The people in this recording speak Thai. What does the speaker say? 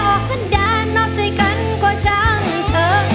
ออกขึ้นด้านนอกใจกันก็ช่างเธอ